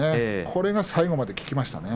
これが最後まで効きましたね。